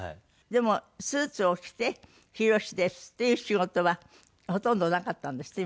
でもスーツを着て「ヒロシです」って言う仕事はほとんどなかったんですって？